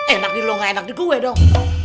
enak di lo enggak enak di gue dong